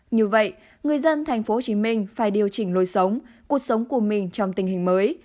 như vậy người dân tp hcm phải điều chỉnh lối sống cuộc sống của mình trong tình hình mới